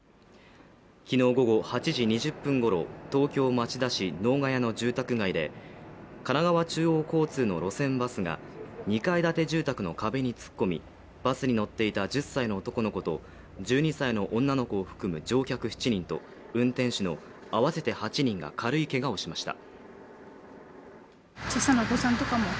昨日午後８時２０分ごろ東京・町田市能ヶ谷の住宅街で神奈川中央交通の路線バスが２階建て住宅の壁に突っ込みバスに乗っていた１０歳の男の子と１２歳の女の子を含む乗客７人と運転手の合わせて８人が軽いけがをしました